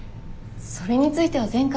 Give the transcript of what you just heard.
それについては前回。